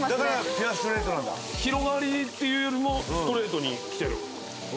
広がりっていうよりもストレートにきてる。